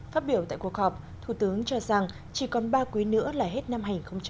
phát biểu tại cuộc họp thủ tướng cho rằng chỉ còn ba quý nữa là hết năm hai nghìn hai mươi